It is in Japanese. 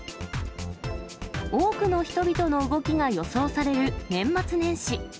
多くの人々の動きが予想される年末年始。